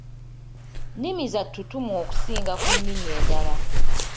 Nnimi za ttutumu okusinga ku nnimi endala.